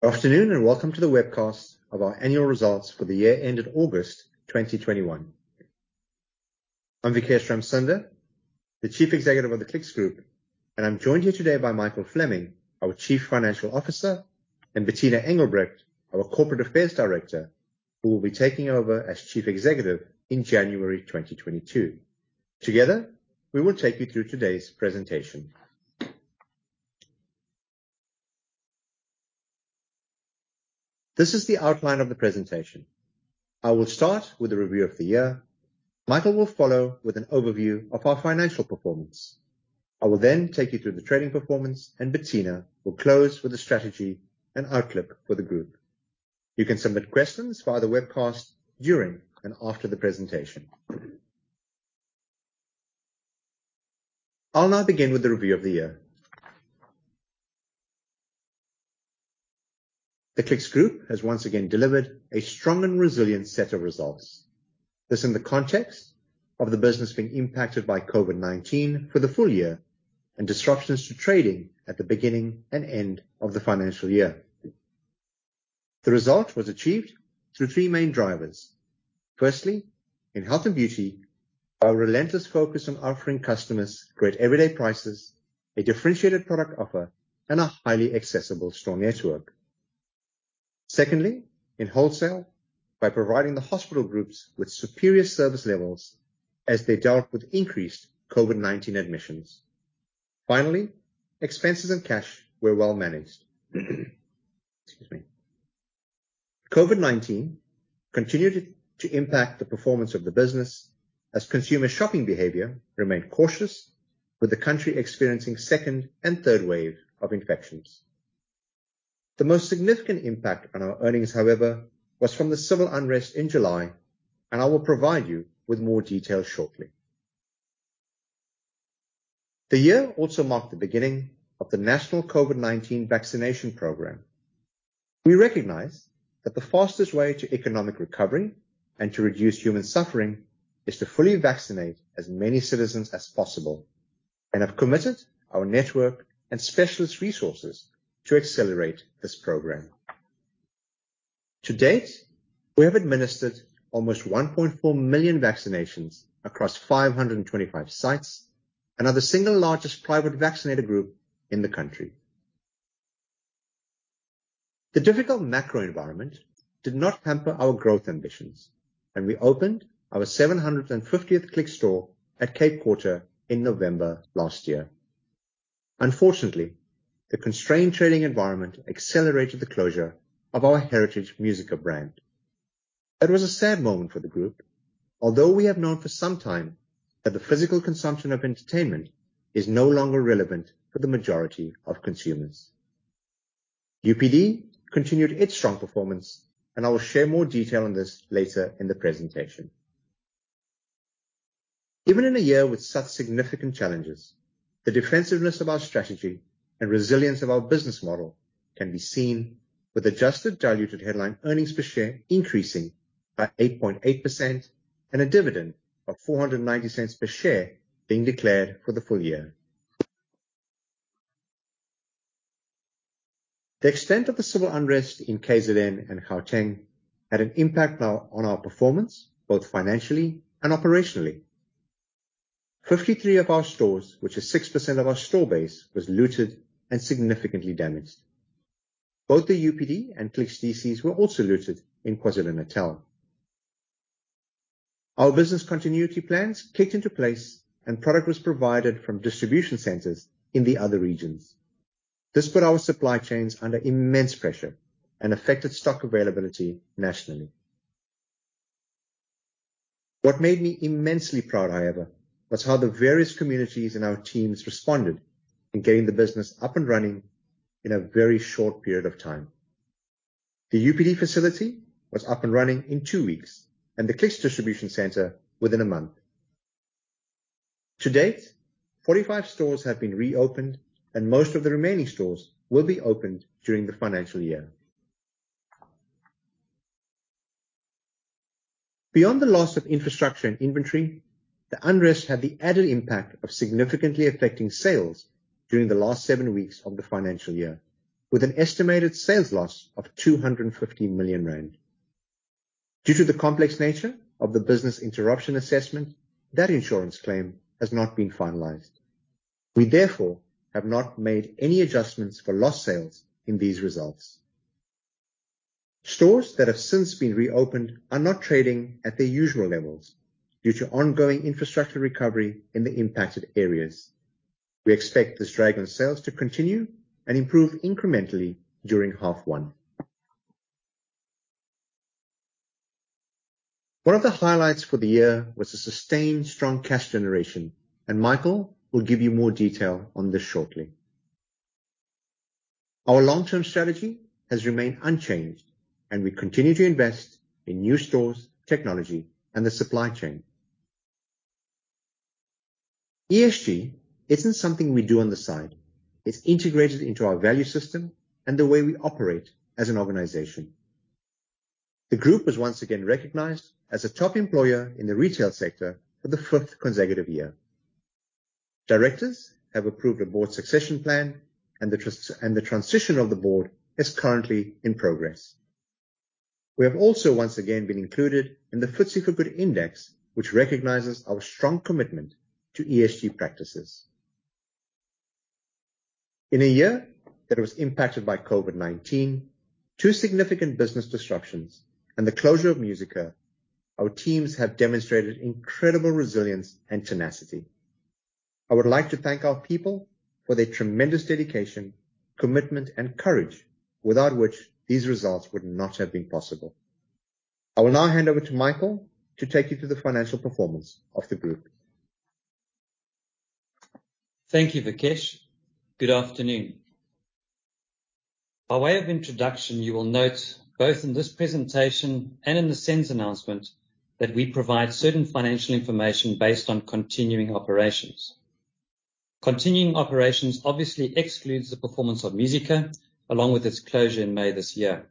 Good afternoon. Welcome to the webcast of our annual results for the year ended August 2021. I'm Vikesh Ramsunder, the Chief Executive of the Clicks Group, and I'm joined here today by Michael Fleming, our Chief Financial Officer, and Bertina Engelbrecht, our Corporate Affairs Director, who will be taking over as chief executive in January 2022. Together, we will take you through today's presentation. This is the outline of the presentation. I will start with a review of the year. Michael will follow with an overview of our financial performance. I will then take you through the trading performance. Bertina will close with the strategy and outlook for the group. You can submit questions via the webcast during and after the presentation. I'll now begin with the review of the year. The Clicks Group has once again delivered a strong and resilient set of results. This in the context of the business being impacted by COVID-19 for the full year and disruptions to trading at the beginning and end of the financial year. The result was achieved through three main drivers. Firstly, in health and beauty, our relentless focus on offering customers great everyday prices, a differentiated product offer, and a highly accessible store network. Secondly, in wholesale, by providing the hospital groups with superior service levels as they dealt with increased COVID-19 admissions. Finally, expenses and cash were well managed. Excuse me. COVID-19 continued to impact the performance of the business as consumer shopping behavior remained cautious, with the country experiencing second and third waves of infections. The most significant impact on our earnings, however, was from the civil unrest in July, and I will provide you with more details shortly. The year also marked the beginning of the national COVID-19 vaccination program. We recognize that the fastest way to economic recovery and to reduce human suffering is to fully vaccinate as many citizens as possible and have committed our network and specialist resources to accelerate this program. To date, we have administered almost 1.4 million vaccinations across 525 sites and are the single largest private vaccinator group in the country. The difficult macro environment did not hamper our growth ambitions, and we opened our 750th Clicks store at Cape Quarter in November last year. Unfortunately, the constrained trading environment accelerated the closure of our heritage Musica brand. It was a sad moment for the group, although we have known for some time that the physical consumption of entertainment is no longer relevant for the majority of consumers. UPD continued its strong performance, and I will share more detail on this later in the presentation. Even in a year with such significant challenges, the defensiveness of our strategy and resilience of our business model can be seen with adjusted diluted headline earnings per share increasing by 8.8% and a dividend of 4.90 per share being declared for the full year. The extent of the civil unrest in KZN and Gauteng had an impact on our performance, both financially and operationally. 53 of our stores, which is 6% of our store base, was looted and significantly damaged. Both the UPD and Clicks DCs were also looted in KwaZulu-Natal. Our business continuity plans clicked into place, and product was provided from distribution centers in the other regions. This put our supply chains under immense pressure and affected stock availability nationally. What made me immensely proud, however, was how the various communities and our teams responded in getting the business up and running in a very short period of time. The UPD facility was up and running in two weeks, and the Clicks distribution center within a month. To date, 45 stores have been reopened, and most of the remaining stores will be opened during the financial year. Beyond the loss of infrastructure and inventory, the unrest had the added impact of significantly affecting sales during the last seven weeks of the financial year, with an estimated sales loss of 250 million rand. Due to the complex nature of the business interruption assessment, that insurance claim has not been finalized. We therefore have not made any adjustments for lost sales in these results. Stores that have since been reopened are not trading at their usual levels due to ongoing infrastructure recovery in the impacted areas. We expect this drag on sales to continue and improve incrementally during half one. One of the highlights for the year was the sustained strong cash generation, and Michael will give you more detail on this shortly. Our long-term strategy has remained unchanged, and we continue to invest in new stores, technology, and the supply chain. ESG isn't something we do on the side. It's integrated into our value system and the way we operate as an organization. The group was once again recognized as a top employer in the retail sector for the fifth consecutive year. Directors have approved a board succession plan, and the transition of the board is currently in progress. We have also once again been included in the FTSE4Good Index, which recognizes our strong commitment to ESG practices. In a year that was impacted by COVID-19, two significant business disruptions, and the closure of Musica, our teams have demonstrated incredible resilience and tenacity. I would like to thank our people for their tremendous dedication, commitment, and courage, without which these results would not have been possible. I will now hand over to Michael to take you through the financial performance of the group. Thank you, Vikesh. Good afternoon. By way of introduction, you will note both in this presentation and in the SENS announcement that we provide certain financial information based on continuing operations. Continuing operations obviously excludes the performance of Musica, along with its closure in May this year.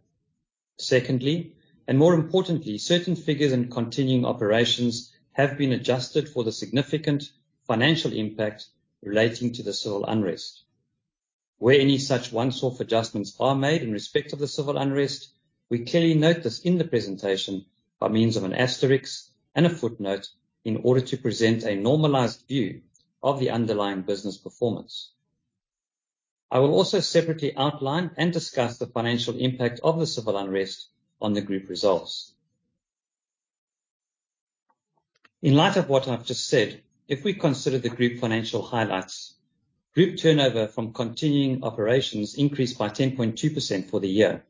Secondly, and more importantly, certain figures in continuing operations have been adjusted for the significant financial impact relating to the civil unrest. Where any such once-off adjustments are made in respect of the civil unrest, we clearly note this in the presentation by means of an asterisk and a footnote in order to present a normalized view of the underlying business performance. I will also separately outline and discuss the financial impact of the civil unrest on the group results. In light of what I've just said, if we consider the group financial highlights, group turnover from continuing operations increased by 10.2% for the year.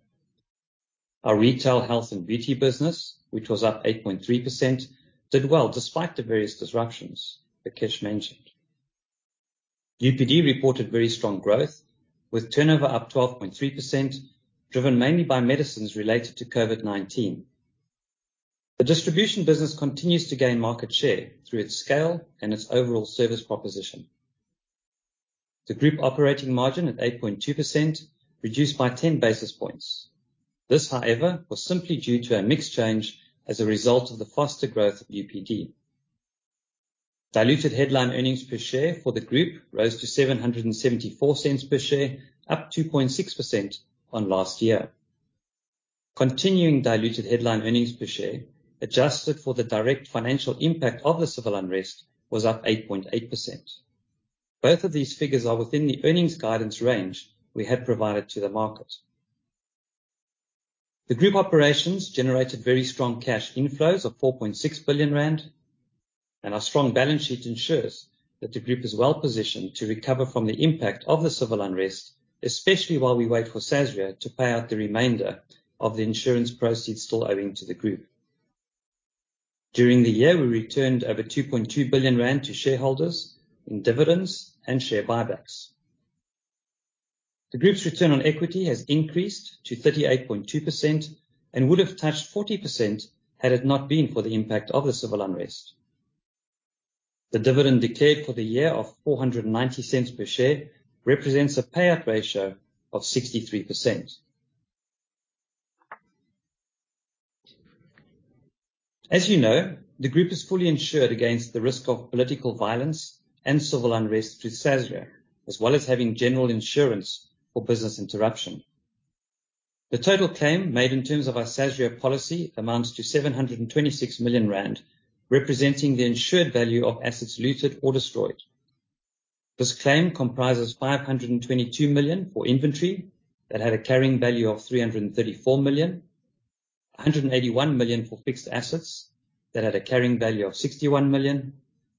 Our retail health and beauty business, which was up 8.3%, did well despite the various disruptions Vikesh mentioned. UPD reported very strong growth, with turnover up 12.3%, driven mainly by medicines related to COVID-19. The distribution business continues to gain market share through its scale and its overall service proposition. The group operating margin at 8.2%, reduced by 10 basis points. This, however, was simply due to a mix change as a result of the faster growth of UPD. Diluted headline earnings per share for the group rose to 7.74 per share, up 2.6% on last year. Continuing diluted headline earnings per share, adjusted for the direct financial impact of the civil unrest, was up 8.8%. Both of these figures are within the earnings guidance range we had provided to the market. The group operations generated very strong cash inflows of 4.6 billion rand, and our strong balance sheet ensures that the group is well-positioned to recover from the impact of the civil unrest, especially while we wait for Sasria to pay out the remainder of the insurance proceeds still owing to the group. During the year, we returned over 2.2 billion rand to shareholders in dividends and share buybacks. The group's return on equity has increased to 38.2% and would have touched 40% had it not been for the impact of the civil unrest. The dividend declared for the year of 4.90 per share represents a payout ratio of 63%. As you know, the group is fully insured against the risk of political violence and civil unrest through Sasria, as well as having general insurance for business interruption. The total claim made in terms of our Sasria policy amounts to 726 million rand, representing the insured value of assets looted or destroyed. This claim comprises 522 million for inventory that had a carrying value of 334 million, 181 million for fixed assets that had a carrying value of 61 million,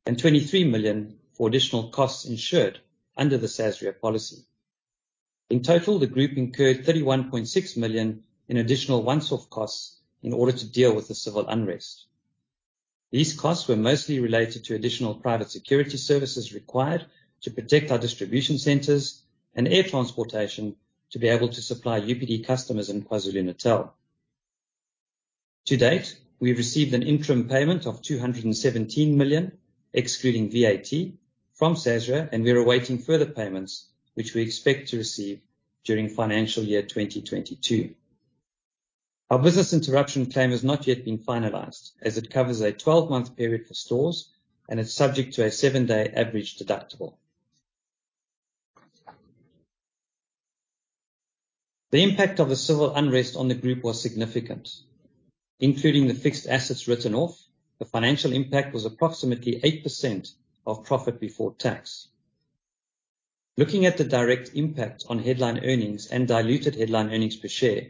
and 23 million for additional costs insured under the Sasria policy. In total, the group incurred 31.6 million in additional one-off costs in order to deal with the civil unrest. These costs were mostly related to additional private security services required to protect our distribution centers and air transportation to be able to supply UPD customers in KwaZulu-Natal. To date, we have received an interim payment of 217 million, excluding VAT, from Sasria, and we are awaiting further payments, which we expect to receive during financial year 2022. Our business interruption claim has not yet been finalized as it covers a 12-month period for stores and is subject to a seven-day average deductible. The impact of the civil unrest on the group was significant. Including the fixed assets written off, the financial impact was approximately 8% of profit before tax. Looking at the direct impact on headline earnings and diluted headline earnings per share,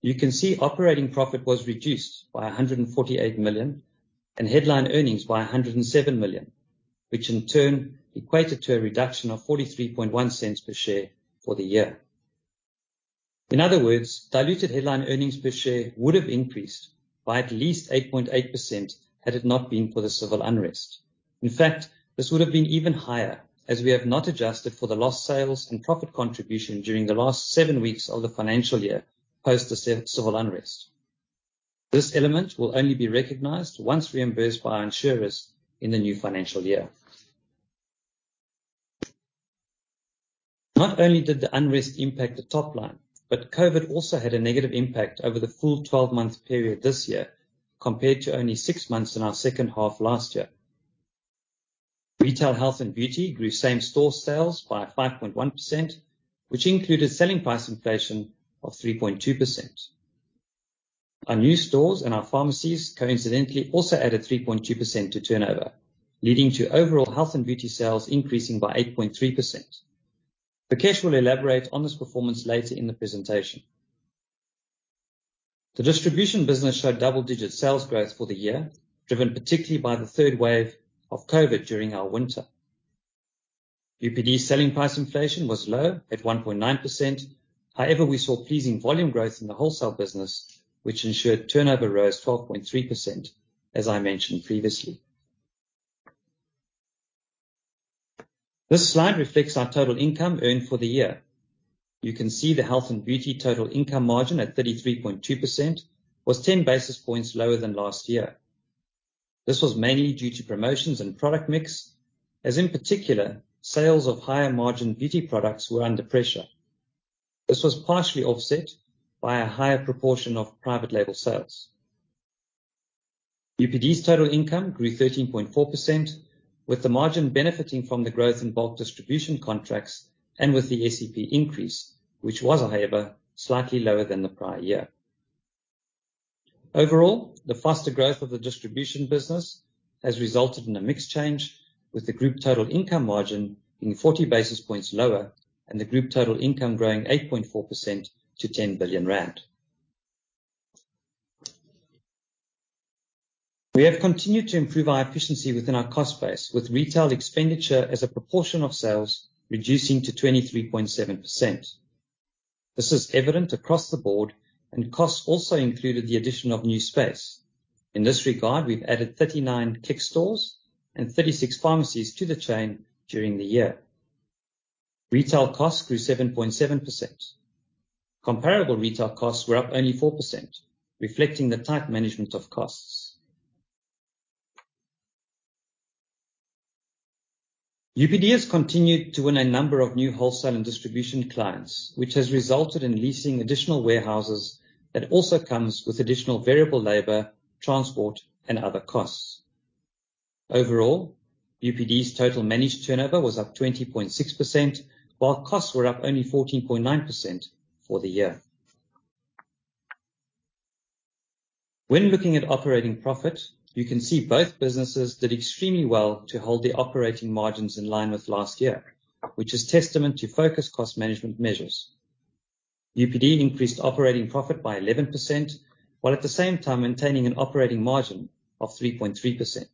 you can see operating profit was reduced by 148 million and headline earnings by 107 million, which in turn equated to a reduction of 0.431 per share for the year. In other words, diluted headline earnings per share would have increased by at least 8.8% had it not been for the civil unrest. In fact, this would have been even higher as we have not adjusted for the lost sales and profit contribution during the last seven weeks of the financial year post the civil unrest. This element will only be recognized once reimbursed by our insurers in the new financial year. Not only did the unrest impact the top line, but COVID-19 also had a negative impact over the full 12-month period this year, compared to only six months in our second half last year. Retail health and beauty grew same store sales by 5.1%, which included selling price inflation of 3.2%. Our new stores and our pharmacies coincidentally also added 3.2% to turnover, leading to overall health and beauty sales increasing by 8.3%. Vikesh will elaborate on this performance later in the presentation. The distribution business showed double-digit sales growth for the year, driven particularly by the third wave of COVID-19 during our winter. UPD selling price inflation was low at 1.9%. We saw pleasing volume growth in the wholesale business, which ensured turnover rose 12.3%, as I mentioned previously. This slide reflects our total income earned for the year. You can see the health and beauty total income margin at 33.2% was 10 basis points lower than last year. This was mainly due to promotions and product mix, as in particular, sales of higher margin beauty products were under pressure. This was partially offset by a higher proportion of private label sales. UPD's total income grew 13.4%, with the margin benefiting from the growth in bulk distribution contracts and with the SEP increase, which was, however, slightly lower than the prior year. Overall, the faster growth of the distribution business has resulted in a mix change with the group total income margin being 40 basis points lower and the group total income growing 8.4% to 10 billion rand. We have continued to improve our efficiency within our cost base, with retail expenditure as a proportion of sales reducing to 23.7%. This is evident across the board, and costs also included the addition of new space. In this regard, we've added 39 Clicks stores and 36 pharmacies to the chain during the year. Retail costs grew 7.7%. Comparable retail costs were up only 4%, reflecting the tight management of costs. UPD has continued to win a number of new wholesale and distribution clients, which has resulted in leasing additional warehouses that also comes with additional variable labor, transport, and other costs. Overall, UPD's total managed turnover was up 20.6%, while costs were up only 14.9% for the year. When looking at operating profit, you can see both businesses did extremely well to hold the operating margins in line with last year, which is testament to focused cost management measures. UPD increased operating profit by 11%, while at the same time maintaining an operating margin of 3.3%.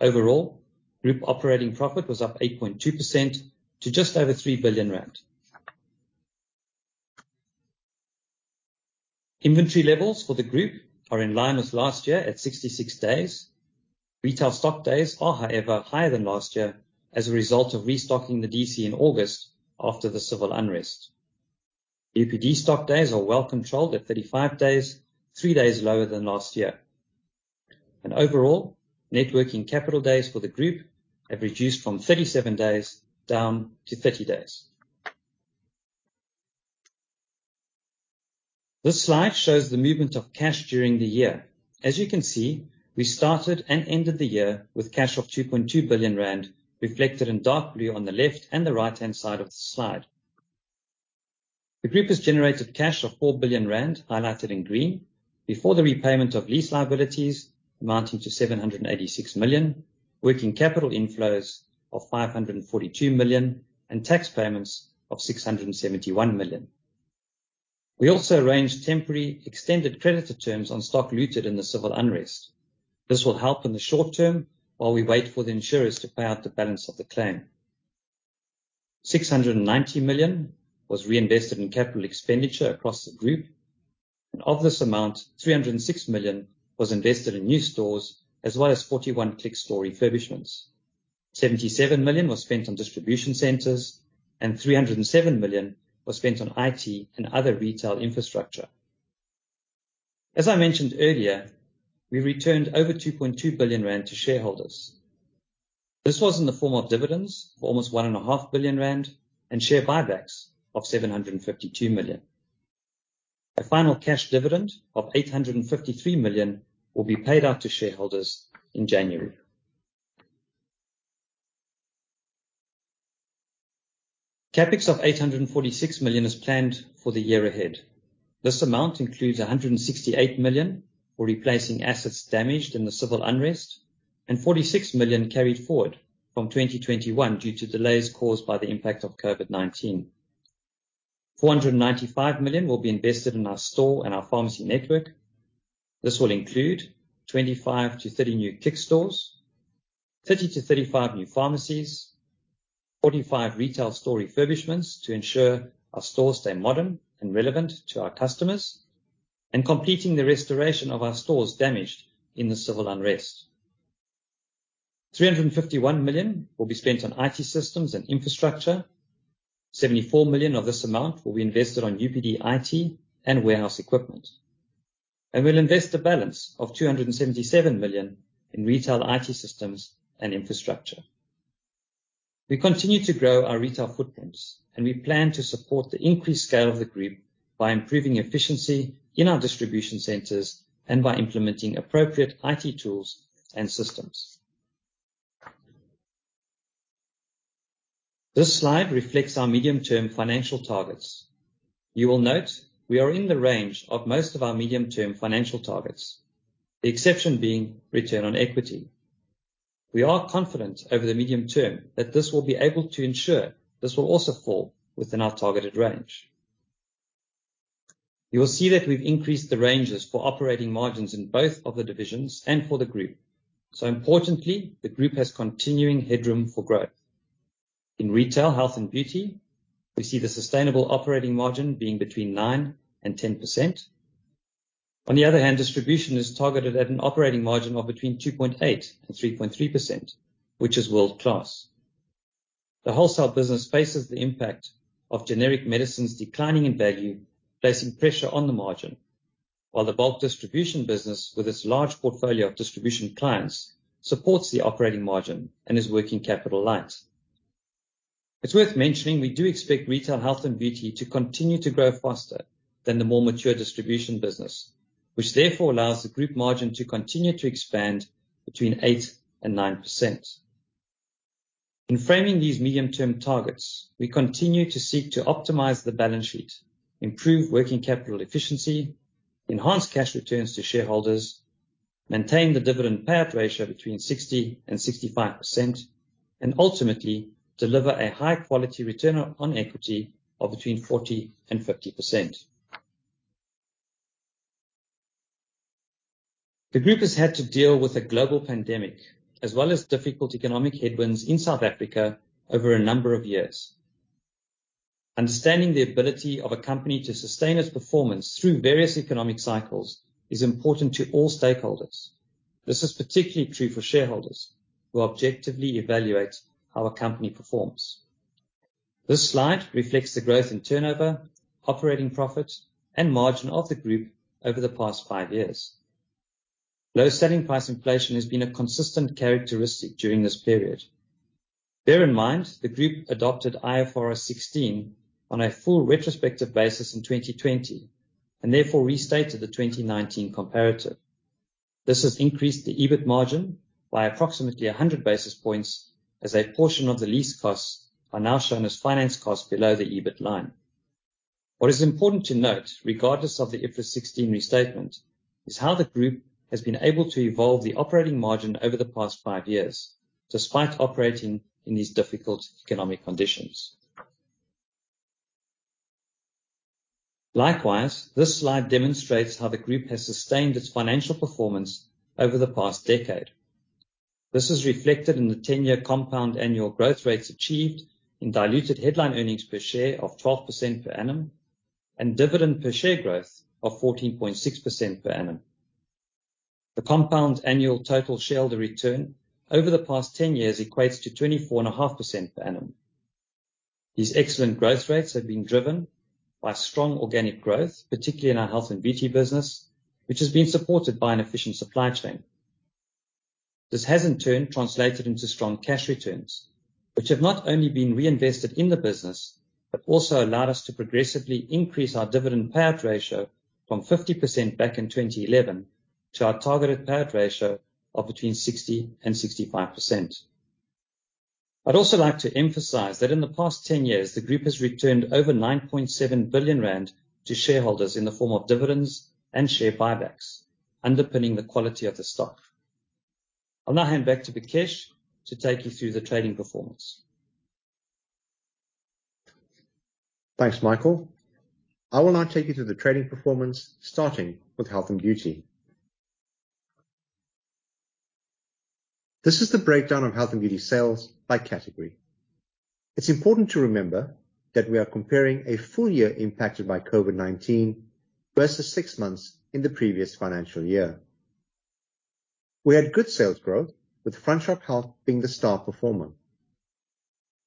Overall, group operating profit was up 8.2% to just over 3 billion rand. Inventory levels for the group are in line with last year at 66 days. Retail stock days are, however, higher than last year as a result of restocking the DC in August after the civil unrest. UPD stock days are well controlled at 35 days, three days lower than last year. Overall, net working capital days for the group have reduced from 37 days down to 30 days. This slide shows the movement of cash during the year. As you can see, we started and ended the year with cash of 2.2 billion rand reflected in dark blue on the left and the right-hand side of the slide. The group has generated cash of 4 billion rand, highlighted in green, before the repayment of lease liabilities amounting to 786 million, working capital inflows of 542 million, and tax payments of 671 million. We also arranged temporary extended creditor terms on stock looted in the civil unrest. This will help in the short term while we wait for the insurers to pay out the balance of the claim. 690 million was reinvested in capital expenditure across the group. Of this amount, 306 million was invested in new stores, as well as 41 Clicks store refurbishments. 77 million was spent on distribution centers and 307 million was spent on IT and other retail infrastructure. As I mentioned earlier, we returned over 2.2 billion rand to shareholders. This was in the form of dividends for almost 1.5 billion rand and share buybacks of 752 million. A final cash dividend of 853 million will be paid out to shareholders in January. CapEx of 846 million is planned for the year ahead. This amount includes 168 million for replacing assets damaged in the civil unrest and 46 million carried forward from 2021 due to delays caused by the impact of COVID-19. 495 million will be invested in our store and our pharmacy network. This will include 25-30 new Clicks stores, 30-35 new pharmacies, 45 retail store refurbishments to ensure our stores stay modern and relevant to our customers, and completing the restoration of our stores damaged in the civil unrest. 351 million will be spent on IT systems and infrastructure. 74 million of this amount will be invested on UPD IT and warehouse equipment. We'll invest the balance of 277 million in retail IT systems and infrastructure. We continue to grow our retail footprints, and we plan to support the increased scale of the group by improving efficiency in our distribution centers and by implementing appropriate IT tools and systems. This slide reflects our medium-term financial targets. You will note we are in the range of most of our medium-term financial targets, the exception being return on equity. We are confident over the medium term that this will be able to ensure this will also fall within our targeted range. You will see that we've increased the ranges for operating margins in both of the divisions and for the Group. Importantly, the Group has continuing headroom for growth. In Retail Health and Beauty, we see the sustainable operating margin being between 9% and 10%. On the other hand, Distribution is targeted at an operating margin of between 2.8% and 3.3%, which is world-class. The wholesale business faces the impact of generic medicines declining in value, placing pressure on the margin. While the bulk distribution business, with its large portfolio of distribution clients, supports the operating margin and is working capital light. It's worth mentioning we do expect retail health and beauty to continue to grow faster than the more mature distribution business, which therefore allows the group margin to continue to expand between 8% and 9%. In framing these medium-term targets, we continue to seek to optimize the balance sheet, improve working capital efficiency, enhance cash returns to shareholders, maintain the dividend payout ratio between 60% and 65%, and ultimately, deliver a high-quality return on equity of between 40% and 50%. The group has had to deal with a global pandemic, as well as difficult economic headwinds in South Africa over a number of years. Understanding the ability of a company to sustain its performance through various economic cycles is important to all stakeholders. This is particularly true for shareholders who objectively evaluate how a company performs. This slide reflects the growth in turnover, operating profit, and margin of the group over the past five years. Low selling price inflation has been a consistent characteristic during this period. Bear in mind the group adopted IFRS 16 on a full retrospective basis in 2020, and therefore restated the 2019 comparative. This has increased the EBIT margin by approximately 100 basis points as a portion of the lease costs are now shown as finance costs below the EBIT line. What is important to note, regardless of the IFRS 16 restatement, is how the group has been able to evolve the operating margin over the past five years, despite operating in these difficult economic conditions. Likewise, this slide demonstrates how the group has sustained its financial performance over the past decade. This is reflected in the 10-year compound annual growth rates achieved in diluted headline earnings per share of 12% per annum and dividend per share growth of 14.6% per annum. The compound annual total shareholder return over the past 10 years equates to 24.5% per annum. These excellent growth rates have been driven by strong organic growth, particularly in our health and beauty business, which has been supported by an efficient supply chain. This has in turn translated into strong cash returns, which have not only been reinvested in the business but also allowed us to progressively increase our dividend payout ratio from 50% back in 2011 to our targeted payout ratio of between 60% and 65%. I'd also like to emphasize that in the past 10 years, the group has returned over 9.7 billion rand to shareholders in the form of dividends and share buybacks, underpinning the quality of the stock. I'll now hand back to Vikesh to take you through the trading performance. Thanks, Michael. I will now take you through the trading performance, starting with health and beauty. This is the breakdown of health and beauty sales by category. It is important to remember that we are comparing a full year impacted by COVID-19 versus six months in the previous financial year. We had good sales growth, with front-shop health being the star performer.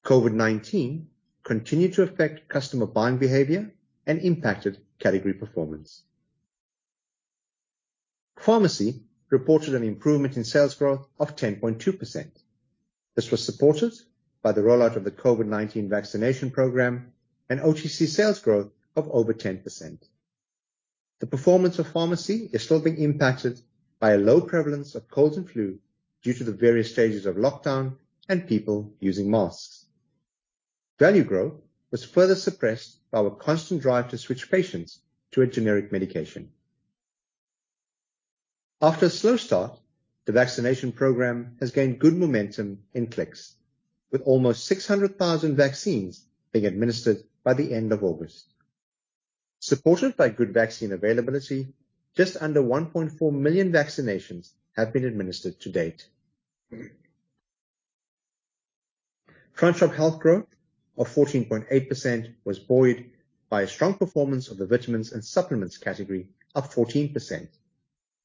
COVID-19 continued to affect customer buying behavior and impacted category performance. Pharmacy reported an improvement in sales growth of 10.2%. This was supported by the rollout of the COVID-19 vaccination program and OTC sales growth of over 10%. The performance of pharmacy is still being impacted by a low prevalence of colds and flu due to the various stages of lockdown and people using masks. Value growth was further suppressed by our constant drive to switch patients to a generic medication. After a slow start, the vaccination program has gained good momentum in Clicks, with almost 600,000 vaccines being administered by the end of August. Supported by good vaccine availability, just under 1.4 million vaccinations have been administered to date. Front-shop health growth of 14.8% was buoyed by a strong performance of the vitamins and supplements category, up 14%,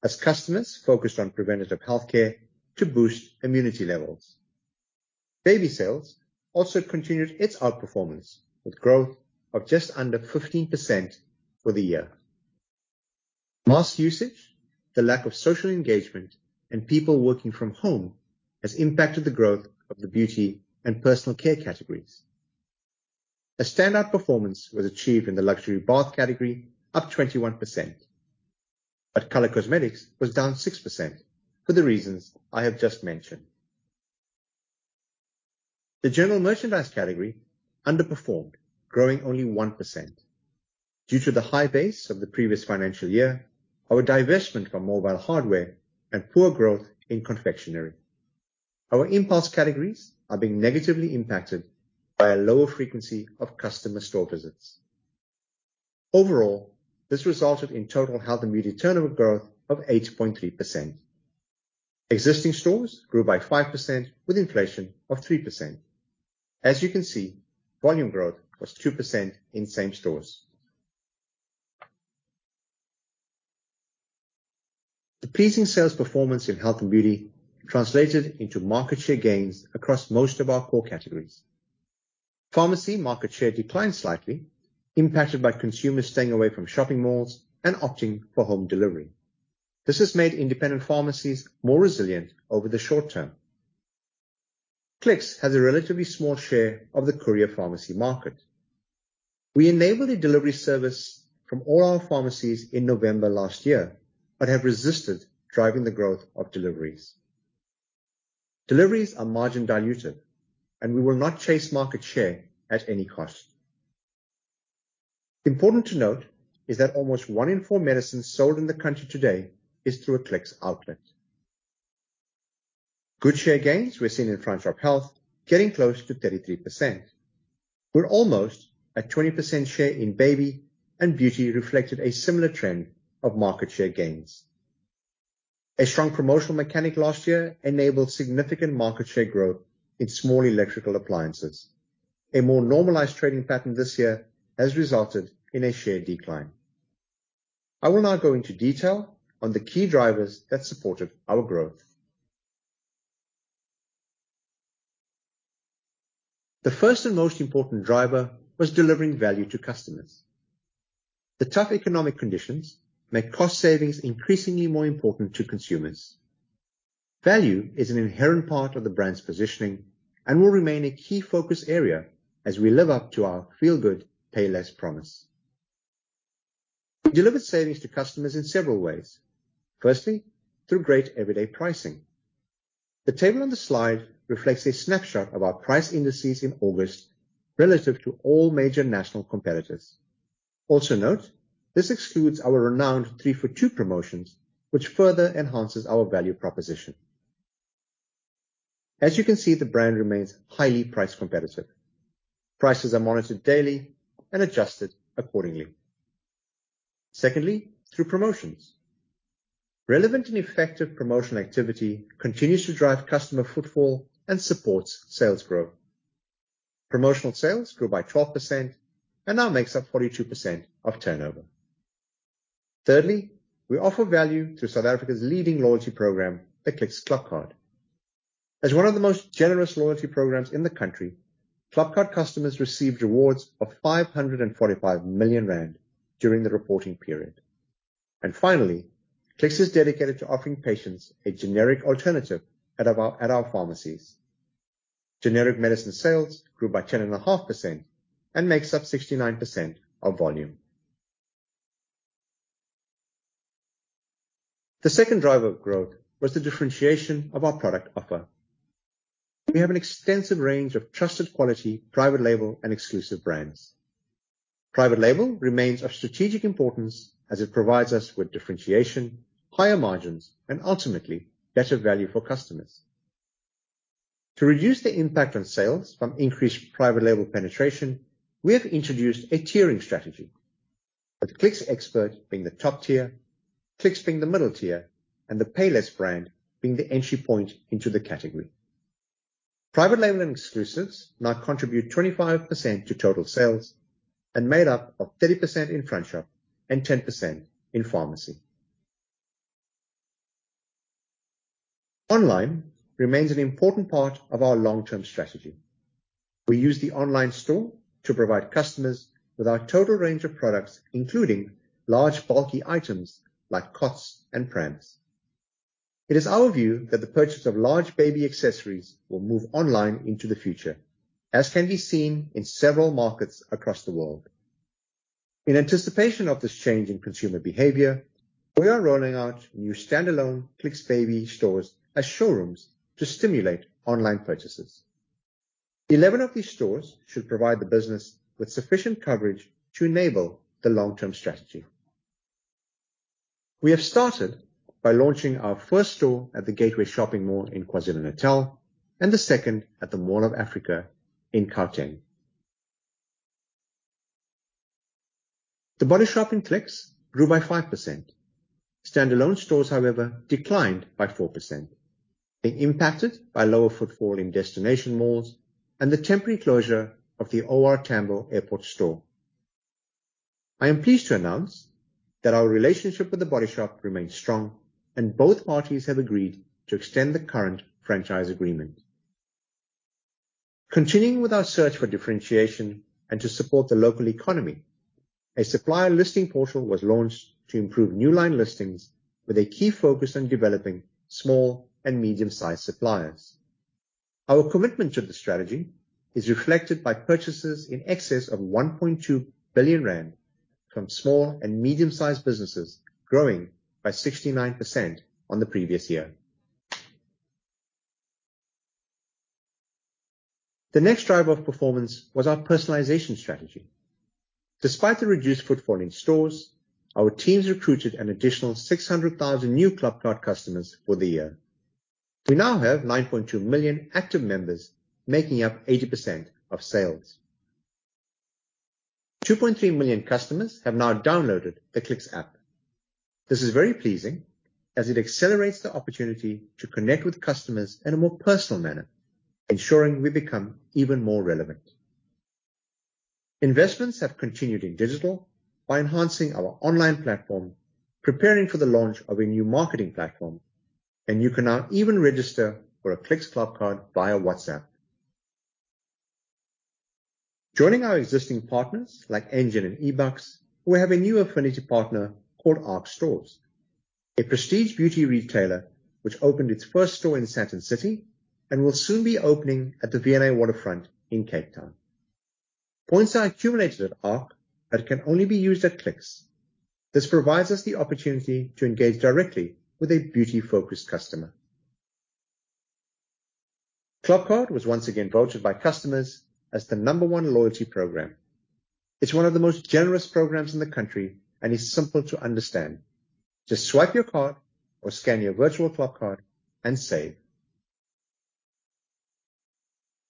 as customers focused on preventative healthcare to boost immunity levels. Baby sales also continued its outperformance with growth of just under 15% for the year. Mask usage, the lack of social engagement, and people working from home has impacted the growth of the beauty and personal care categories. A standout performance was achieved in the luxury bath category, up 21%, but color cosmetics was down 6% for the reasons I have just mentioned. The general merchandise category underperformed, growing only 1%. Due to the high base of the previous financial year, our divestment from mobile hardware, and poor growth in confectionery, our impulse categories are being negatively impacted by a lower frequency of customer store visits. Overall, this resulted in total health and beauty turnover growth of 8.3%. Existing stores grew by 5% with inflation of 3%. As you can see, volume growth was 2% in same stores. The pleasing sales performance in health and beauty translated into market share gains across most of our core categories. Pharmacy market share declined slightly, impacted by consumers staying away from shopping malls and opting for home delivery. This has made independent pharmacies more resilient over the short term. Clicks has a relatively small share of the courier pharmacy market. We enabled a delivery service from all our pharmacies in November last year but have resisted driving the growth of deliveries. Deliveries are margin diluted, and we will not chase market share at any cost. Important to note is that almost one in four medicines sold in the country today is through a Clicks outlet. Good share gains were seen in front shop health, getting close to 33%, but almost a 20% share in baby and beauty reflected a similar trend of market share gains. A strong promotional mechanic last year enabled significant market share growth in small electrical appliances. A more normalized trading pattern this year has resulted in a share decline. I will now go into detail on the key drivers that supported our growth. The first and most important driver was delivering value to customers. The tough economic conditions make cost savings increasingly more important to consumers. Value is an inherent part of the brand's positioning and will remain a key focus area as we live up to our feel good, pay less promise. We delivered savings to customers in several ways. Firstly, through great everyday pricing. The table on the slide reflects a snapshot of our price indices in August relative to all major national competitors. Also note, this excludes our renowned three for two promotions, which further enhances our value proposition. As you can see, the brand remains highly price competitive. Prices are monitored daily and adjusted accordingly. Secondly, through promotions. Relevant and effective promotional activity continues to drive customer footfall and supports sales growth. Promotional sales grew by 12% and now makes up 42% of turnover. Thirdly, we offer value through South Africa's leading loyalty program, the Clicks ClubCard. As one of the most generous loyalty programs in the country, ClubCard customers received rewards of 545 million rand during the reporting period. Finally, Clicks is dedicated to offering patients a generic alternative at our pharmacies. Generic medicine sales grew by 10.5% and makes up 69% of volume. The second driver of growth was the differentiation of our product offer. We have an extensive range of trusted quality private label and exclusive brands. Private label remains of strategic importance as it provides us with differentiation, higher margins, and ultimately, better value for customers. To reduce the impact on sales from increased private label penetration, we have introduced a tiering strategy, with Clicks Expert being the top tier, Clicks being the middle tier, and the Payless brand being the entry point into the category. Private label and exclusives now contribute 25% to total sales and made up of 30% in front shop and 10% in pharmacy. Online remains an important part of our long-term strategy. We use the online store to provide customers with our total range of products, including large bulky items like cots and prams. It is our view that the purchase of large baby accessories will move online into the future, as can be seen in several markets across the world. In anticipation of this change in consumer behavior, we are rolling out new standalone Clicks Baby stores as showrooms to stimulate online purchases. 11 of these stores should provide the business with sufficient coverage to enable the long-term strategy. We have started by launching our first store at the Gateway Shopping Mall in KwaZulu-Natal and the second at the Mall of Africa in Gauteng. The Body Shop in Clicks grew by 5%. Standalone stores, however, declined by 4%, being impacted by lower footfall in destination malls and the temporary closure of the O.R. Tambo Airport store. I am pleased to announce that our relationship with The Body Shop remains strong, and both parties have agreed to extend the current franchise agreement. Continuing with our search for differentiation and to support the local economy, a supplier listing portal was launched to improve new line listings with a key focus on developing small and medium-sized suppliers. Our commitment to the strategy is reflected by purchases in excess of 1.2 billion rand from small and medium-sized businesses, growing by 69% on the previous year. The next driver of performance was our personalization strategy. Despite the reduced footfall in stores, our teams recruited an additional 600,000 new ClubCard customers for the year. We now have 9.2 million active members, making up 80% of sales. 2.3 million customers have now downloaded the Clicks app. This is very pleasing, as it accelerates the opportunity to connect with customers in a more personal manner, ensuring we become even more relevant. Investments have continued in digital by enhancing our online platform, preparing for the launch of a new marketing platform, and you can now even register for a Clicks ClubCard via WhatsApp. Joining our existing partners like Engen and eBucks, we have a new affinity partner called ARC Stores, a prestige beauty retailer which opened its first store in Sandton City and will soon be opening at the V&A Waterfront in Cape Town. Points are accumulated at ARC but can only be used at Clicks. This provides us the opportunity to engage directly with a beauty-focused customer. ClubCard was once again voted by customers as the number one loyalty program. It's one of the most generous programs in the country and is simple to understand. Just swipe your card or scan your virtual ClubCard and save.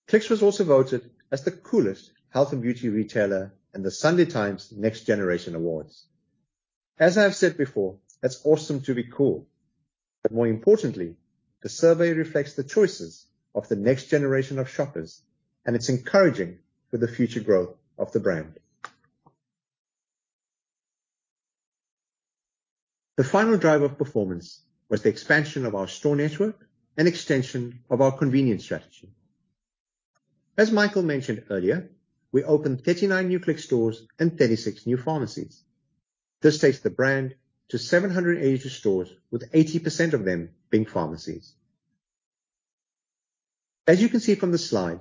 Clicks was also voted as the coolest health and beauty retailer in The Sunday Times GenNext Awards. As I have said before, it's awesome to be cool, but more importantly, the survey reflects the choices of the next generation of shoppers, and it's encouraging for the future growth of the brand. The final driver of performance was the expansion of our store network and extension of our convenience strategy. As Michael mentioned earlier, we opened 39 new Clicks stores and 36 new pharmacies. This takes the brand to 782 stores, with 80% of them being pharmacies. As you can see from the slide,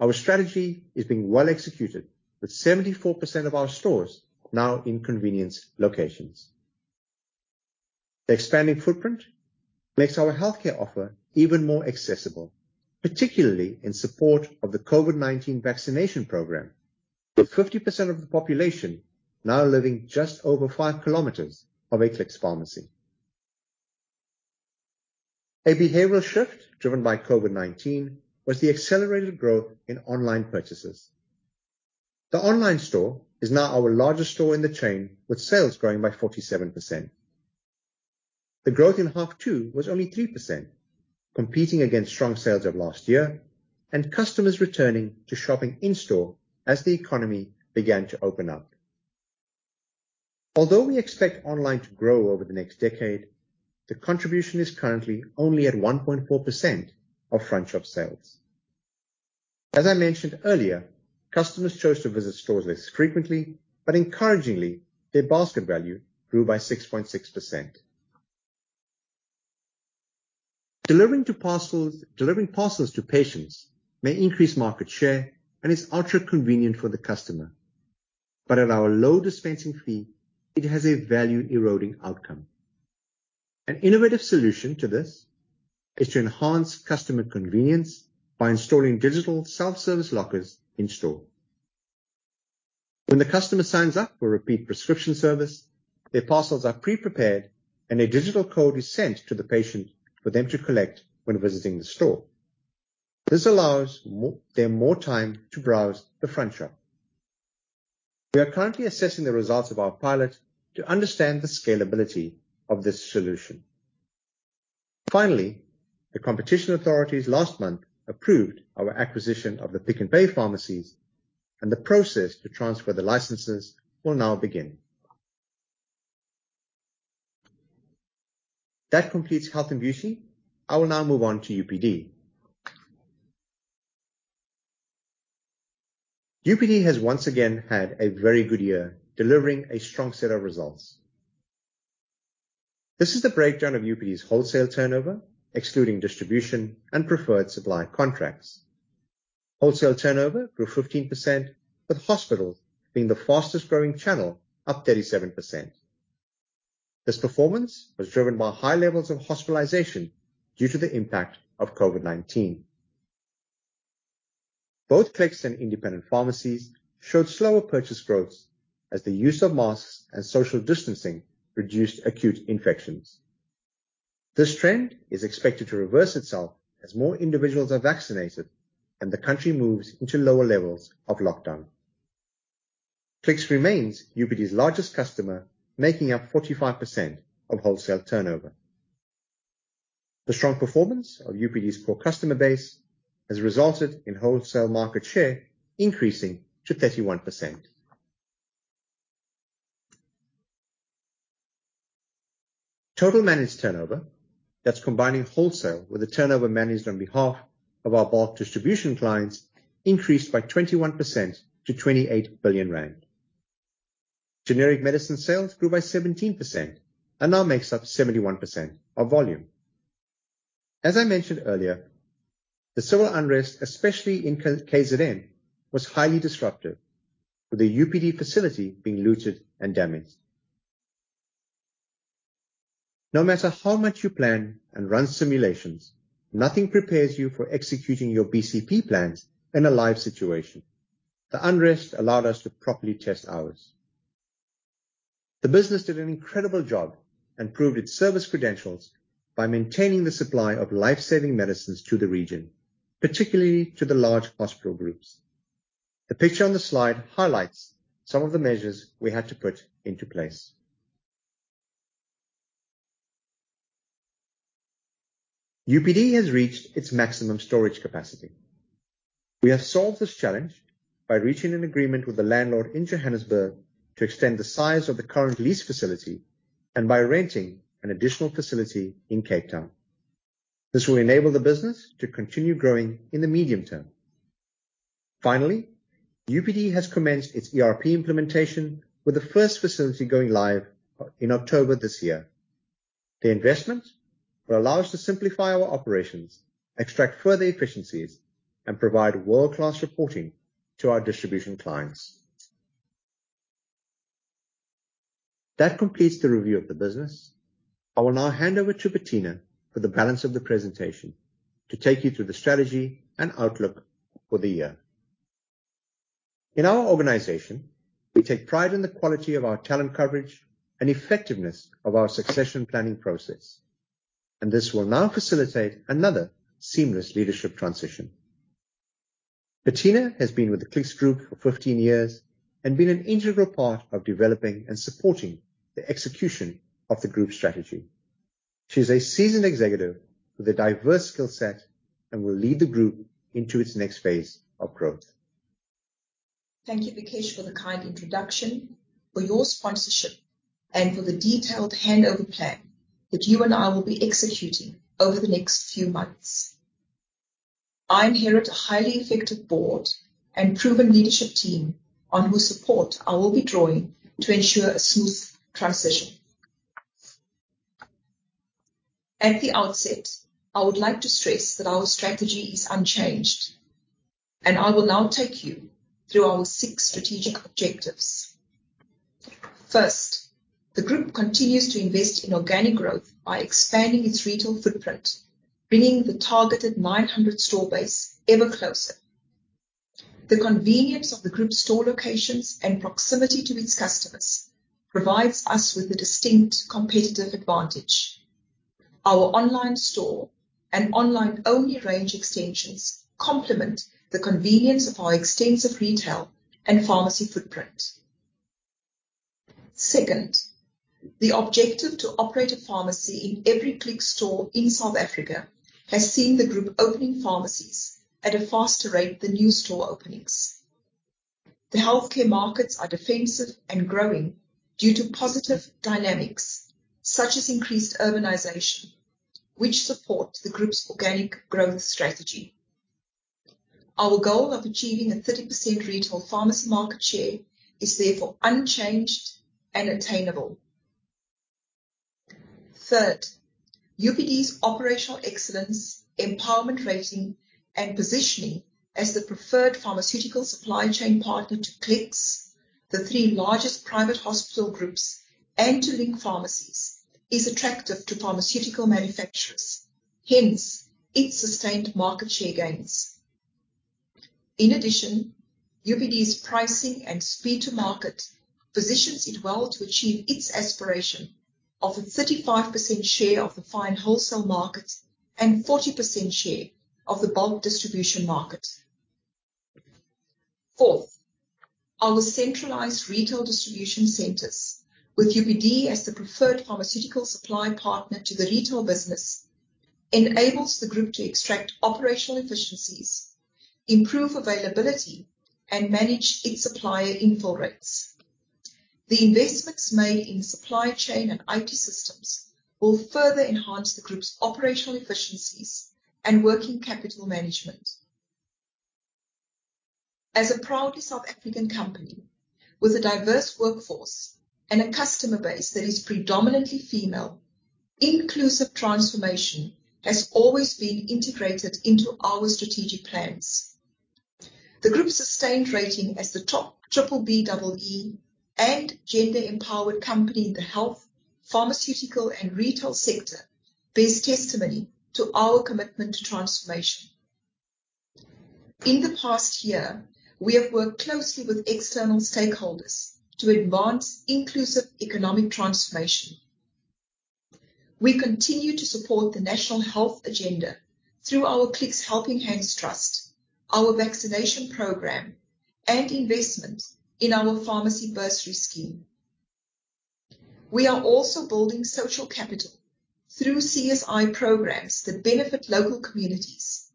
our strategy is being well executed with 74% of our stores now in convenience locations. The expanding footprint makes our healthcare offer even more accessible, particularly in support of the COVID-19 vaccination program, with 50% of the population now living just over 5 km of a Clicks pharmacy. A behavioral shift driven by COVID-19 was the accelerated growth in online purchases. The online store is now our largest store in the chain, with sales growing by 47%. The growth in half two was only 3%, competing against strong sales of last year and customers returning to shopping in-store as the economy began to open up. Although we expect online to grow over the next decade, the contribution is currently only at 1.4% of front-shop sales. As I mentioned earlier, customers chose to visit stores less frequently, but encouragingly, their basket value grew by 6.6%. Delivering parcels to patients may increase market share and is ultra-convenient for the customer. At our low dispensing fee, it has a value-eroding outcome. An innovative solution to this is to enhance customer convenience by installing digital self-service lockers in-store. When the customer signs up for repeat prescription service, their parcels are pre-prepared, and a digital code is sent to the patient for them to collect when visiting the store. This allows them more time to browse the front shop. We are currently assessing the results of our pilot to understand the scalability of this solution. The competition authorities last month approved our acquisition of the Pick n Pay Pharmacies, and the process to transfer the licenses will now begin. That completes health and beauty. I will now move on to UPD. UPD has once again had a very good year, delivering a strong set of results. This is the breakdown of UPD's wholesale turnover, excluding distribution and preferred supply contracts. Wholesale turnover grew 15%, with hospitals being the fastest-growing channel, up 37%. This performance was driven by high levels of hospitalization due to the impact of COVID-19. Both Clicks and independent pharmacies showed slower purchase growth as the use of masks and social distancing reduced acute infections. This trend is expected to reverse itself as more individuals are vaccinated and the country moves into lower levels of lockdown. Clicks remains UPD's largest customer, making up 45% of wholesale turnover. The strong performance of UPD's core customer base has resulted in wholesale market share increasing to 31%. Total managed turnover, that's combining wholesale with the turnover managed on behalf of our bulk distribution clients, increased by 21% to 28 billion rand. Generic medicine sales grew by 17% and now makes up 71% of volume. As I mentioned earlier, the civil unrest, especially in KZN, was highly disruptive, with the UPD facility being looted and damaged. No matter how much you plan and run simulations, nothing prepares you for executing your BCP plans in a live situation. The unrest allowed us to properly test ours. The business did an incredible job and proved its service credentials by maintaining the supply of life-saving medicines to the region, particularly to the large hospital groups. The picture on the slide highlights some of the measures we had to put into place. UPD has reached its maximum storage capacity. We have solved this challenge by reaching an agreement with the landlord in Johannesburg to extend the size of the current lease facility and by renting an additional facility in Cape Town. This will enable the business to continue growing in the medium term. Finally, UPD has commenced its ERP implementation, with the first facility going live in October this year. The investment will allow us to simplify our operations, extract further efficiencies, and provide world-class reporting to our distribution clients. That completes the review of the business. I will now hand over to Bertina for the balance of the presentation to take you through the strategy and outlook for the year. In our organization, we take pride in the quality of our talent coverage and effectiveness of our succession planning process, and this will now facilitate another seamless leadership transition. Bertina has been with the Clicks Group for 15 years and been an integral part of developing and supporting the execution of the group strategy. She's a seasoned executive with a diverse skill set and will lead the group into its next phase of growth. Thank you, Vikesh, for the kind introduction, for your sponsorship, and for the detailed handover plan that you and I will be executing over the next few months. I inherit a highly effective board and proven leadership team on whose support I will be drawing to ensure a smooth transition. At the outset, I would like to stress that our strategy is unchanged, and I will now take you through our six strategic objectives. First, the group continues to invest in organic growth by expanding its retail footprint, bringing the targeted 900 store base ever closer. The convenience of the group's store locations and proximity to its customers provides us with a distinct competitive advantage. Our online store and online-only range extensions complement the convenience of our extensive retail and pharmacy footprint. Second, the objective to operate a pharmacy in every Clicks store in South Africa has seen the group opening pharmacies at a faster rate than new store openings. The healthcare markets are defensive and growing due to positive dynamics such as increased urbanization, which support the group's organic growth strategy. Our goal of achieving a 30% retail pharmacy market share is therefore unchanged and attainable. Third, UPD's operational excellence, empowerment rating, and positioning as the preferred pharmaceutical supply chain partner to Clicks, the three largest private hospital groups, and to Link Pharmacies, is attractive to pharmaceutical manufacturers, hence its sustained market share gains. In addition, UPD's pricing and speed to market positions it well to achieve its aspiration of a 35% share of the fine wholesale market and 40% share of the bulk distribution market. Fourth, our centralized retail distribution centers with UPD as the preferred pharmaceutical supply partner to the retail business enables the group to extract operational efficiencies, improve availability, and manage its supplier in-fill rates. The investments made in supply chain and IT systems will further enhance the group's operational efficiencies and working capital management. As a proudly South African company with a diverse workforce and a customer base that is predominantly female, inclusive transformation has always been integrated into our strategic plans. The group's sustained rating as the top BBBEE and gender-empowered company in the health, pharmaceutical, and retail sector bears testimony to our commitment to transformation. In the past year, we have worked closely with external stakeholders to advance inclusive economic transformation. We continue to support the national health agenda through our Clicks Helping Hand Trust, our vaccination program, and investment in our pharmacy bursary scheme. We are also building social capital through CSI programs that benefit local communities,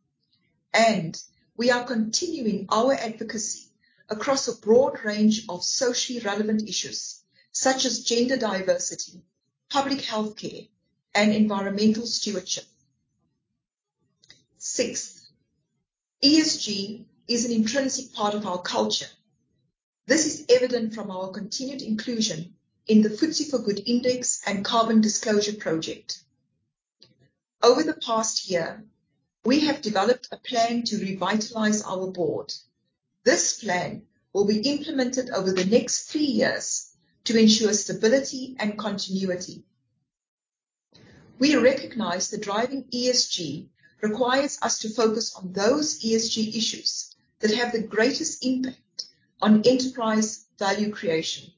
and we are continuing our advocacy across a broad range of socially relevant issues such as gender diversity, public healthcare, and environmental stewardship. Sixth, ESG is an intrinsic part of our culture. This is evident from our continued inclusion in the FTSE4Good Index and Carbon Disclosure Project. Over the past year, we have developed a plan to revitalize our board. This plan will be implemented over the next three years to ensure stability and continuity. We recognize that driving ESG requires us to focus on those ESG issues that have the greatest impact on enterprise value creation.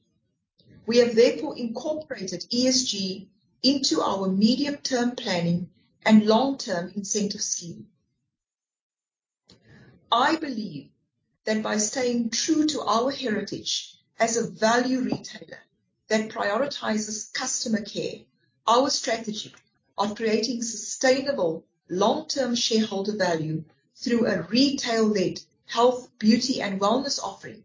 We have therefore incorporated ESG into our medium-term planning and long-term incentive scheme. I believe that by staying true to our heritage as a value retailer that prioritizes customer care, our strategy of creating sustainable long-term shareholder value through a retail-led health, beauty, and wellness offering,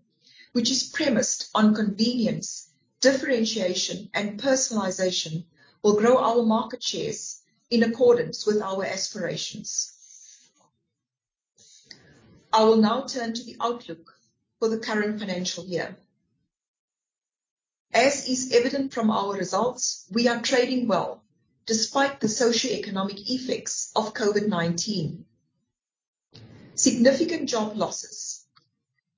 which is premised on convenience, differentiation, and personalization, will grow our market shares in accordance with our aspirations. I will now turn to the outlook for the current financial year. As is evident from our results, we are trading well despite the socioeconomic effects of COVID-19. Significant job losses,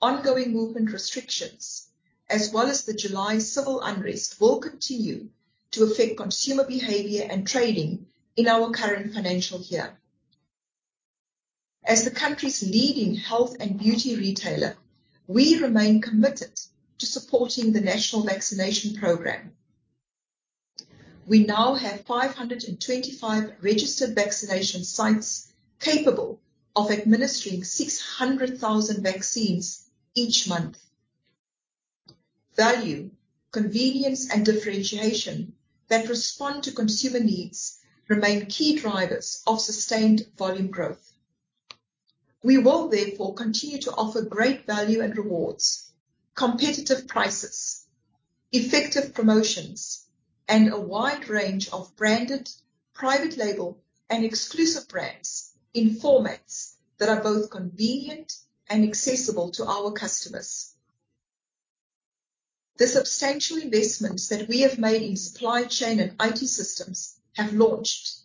ongoing movement restrictions, as well as the July civil unrest will continue to affect consumer behavior and trading in our current financial year. As the country's leading health and beauty retailer, we remain committed to supporting the national vaccination program. We now have 525 registered vaccination sites capable of administering 600,000 vaccines each month. Value, convenience, and differentiation that respond to consumer needs remain key drivers of sustained volume growth. We will therefore continue to offer great value and rewards, competitive prices, effective promotions, and a wide range of branded private label and exclusive brands in formats that are both convenient and accessible to our customers. The substantial investments that we have made in supply chain and IT systems have launched.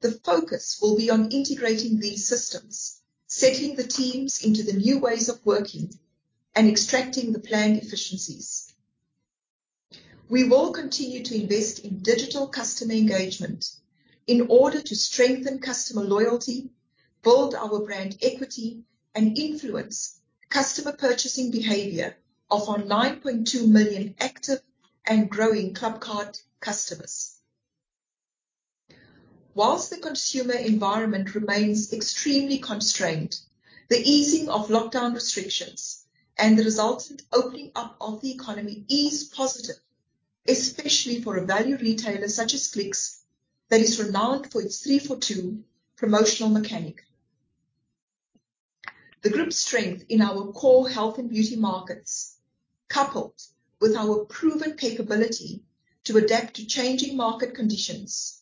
The focus will be on integrating these systems, settling the teams into the new ways of working, and extracting the planned efficiencies. We will continue to invest in digital customer engagement in order to strengthen customer loyalty, build our brand equity, and influence customer purchasing behavior of our 9.2 million active and growing ClubCard customers. Whilst the consumer environment remains extremely constrained, the easing of lockdown restrictions and the resultant opening up of the economy is positive, especially for a value retailer such as Clicks that is renowned for its three for two promotional mechanic. The group's strength in our core health and beauty markets, coupled with our proven capability to adapt to changing market conditions,